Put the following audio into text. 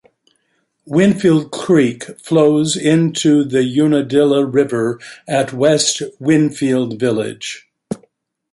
Winfield Creek flows into the Unadilla River at West Winfield village.